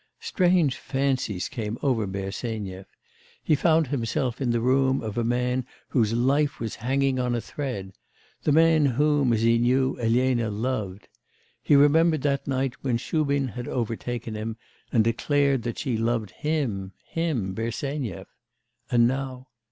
Strange fancies came over Bersenyev. He found himself in the room of a man whose life was hanging on a thread, the man whom, as he knew, Elena loved.... He remembered that night when Shubin had overtaken him and declared that she loved him, him, Bersenyev! And now....